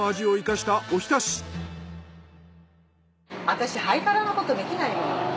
私ハイカラなことできないのよ。